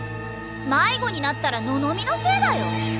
迷子になったらののみのせいだよ。